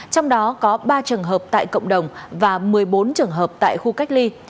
trong đó có ba trường hợp tại cộng đồng và một mươi bốn trường hợp tại khu cách ly